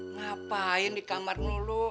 ngapain di kamarnya lo